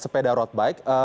sepeda road bike